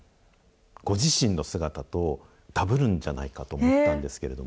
ご自身の姿とだぶるんじゃないかと思ったんですけれども。